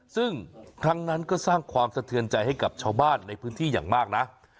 ซึ่งครั้งนั้นก็สร้างความสะเทือนใจให้กับชาวบ้านในพื้นที่อย่างมากนะ